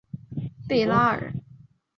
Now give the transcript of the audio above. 贝拉尔。